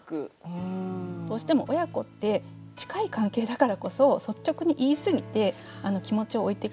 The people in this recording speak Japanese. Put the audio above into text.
うん。どうしても親子って近い関係だからこそ率直に言いすぎて気持ちを置いてきぼりにしてしまう。